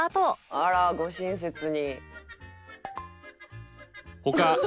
「あらご親切に」